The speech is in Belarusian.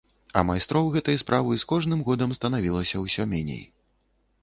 А майстроў гэтай справы з кожным годам станавілася ўсё меней.